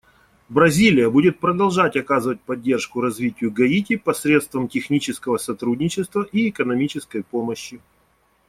Бразилия будет продолжать оказывать поддержку развитию Гаити посредством технического сотрудничества и экономической помощи.